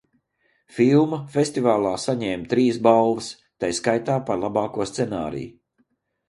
Filma festivālā saņēma trīs balvas, tai skaitā par labāko scenāriju.